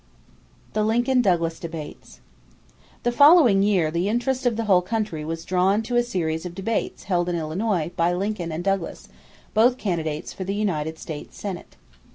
=The Lincoln Douglas Debates.= The following year the interest of the whole country was drawn to a series of debates held in Illinois by Lincoln and Douglas, both candidates for the United States Senate.